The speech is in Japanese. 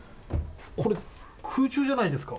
これ、空中じゃないですか？